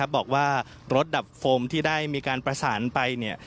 บอกว่ารถดับโฟมที่ได้มีการประสานไป